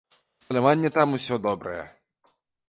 Абсталяванне там усё добрае.